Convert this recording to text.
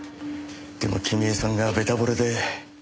でも君江さんがべた惚れで。